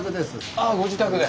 ああご自宅で。